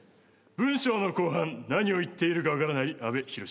文章の後半何を言っているか分からない阿部寛。